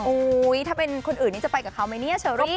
ถ้าเป็นคนอื่นนี้จะไปกับเขาไหมเนี่ยเชอรี่